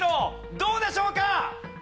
どうでしょうか？